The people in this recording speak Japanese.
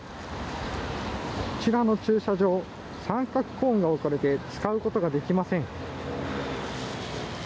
こちらの駐車場三角コーンが置かれていて使うことができません。